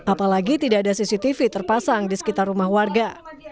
apalagi tidak ada cctv terpasang di sekitar rumah warga